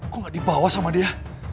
kok gak dibawa sama dia